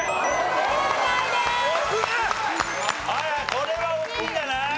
これは大きいんじゃない。